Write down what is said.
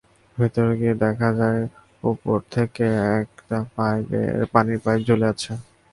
ভেতরে গিয়ে দেখা যায়, ওপর থেকে একটি পানির পাইপ ঝুলে আছে।